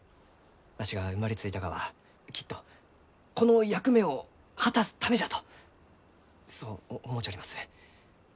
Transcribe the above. わしが生まれついたがはきっとこの役目を果たすためじゃとそう思うちょります。